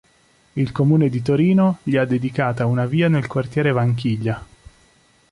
Il Comune di Torino gli ha dedicata una via nel quartiere Vanchiglia.